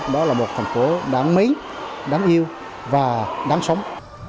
đó là một thành phố đáng mấy đáng yêu và đáng sống